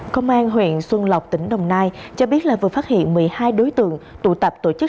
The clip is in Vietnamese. công an huyện xuân lộc tỉnh đồng nai cho biết là vừa phát hiện một mươi hai đối tượng tụ tập tổ chức